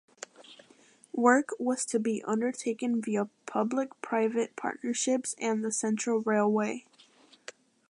Work was to be undertaken via public–private partnerships and the Central Railway.